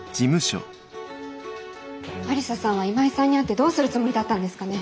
愛理沙さんは今井さんに会ってどうするつもりだったんですかね？